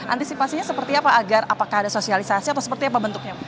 antisipasinya seperti apa agar apakah ada sosialisasi atau seperti apa bentuknya